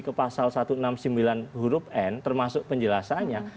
ke pasal satu ratus enam puluh sembilan huruf n termasuk penjelasannya